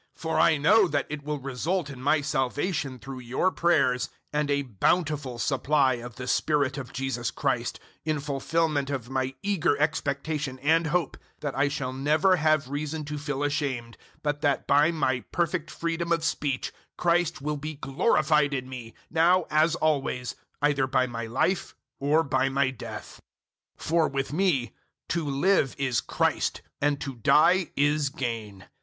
001:019 For I know that it will result in my salvation through your prayers and a bountiful supply of the Spirit of Jesus Christ, 001:020 in fulfilment of my eager expectation and hope that I shall never have reason to feel ashamed, but that by my perfect freedom of speech Christ will be glorified in me, now as always, either by my life or by my death. 001:021 For, with me, to live is Christ and to die is gain.